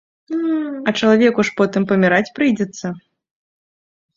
А чалавеку ж потым паміраць прыйдзецца.